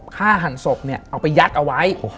ฆ่าหันศพเอาไปยัดเอาไว้